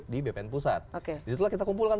di bpn pusat oke jadi itulah kita kumpulkan